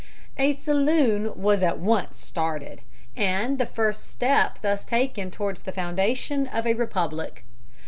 A saloon was at once started, and the first step thus taken towards the foundation of a republic.